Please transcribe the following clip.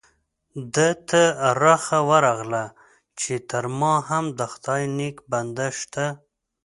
ده ته رخه ورغله چې تر ما هم د خدای نیک بنده شته.